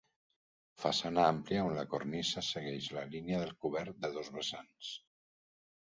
Façana amplia on la cornisa segueix la línia del cobert de dos vessants.